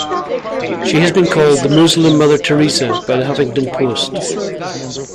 She has been called "The Muslim Mother Teresa" by The Huffington Post.